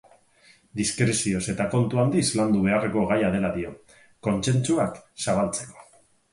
Diskrezioz eta kontu handiz landu beharreko gaia dela dio, kontsentsuak zabaltzeko.